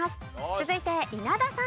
続いて稲田さん。